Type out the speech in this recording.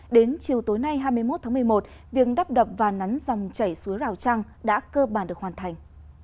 đến chiều tối nay hai mươi một tháng một mươi một việc đắp đập và nắn dòng chảy suối rào trăng đã cơ bản được hoàn thành